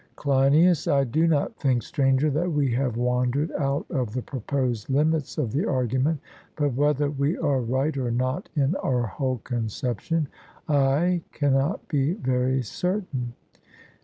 CLEINIAS: I do not think, Stranger, that we have wandered out of the proposed limits of the argument; but whether we are right or not in our whole conception, I cannot be very certain.